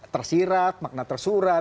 tersirat makna tersurat